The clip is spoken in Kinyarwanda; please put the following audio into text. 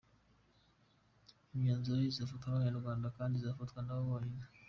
Imyanzuro izafatwa n’Abanyarwanda kandi izafatwa nabo bonyine.